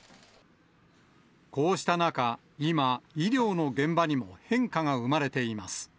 こうした中、今、医療の現場にも変化が生まれています。